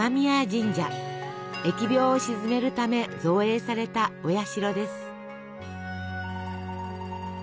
疫病を鎮めるため造営されたお社です。